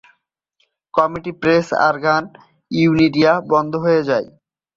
কমিটির press organ "ইউনিরিয়া" বন্ধ হয়ে যায়।